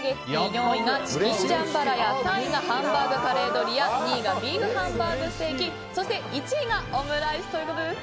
４位がチキンジャンバラヤ３位がハンバーグカレードリア２位がＢＥＥＦハンバーグステーキそして１位がオムライスということです。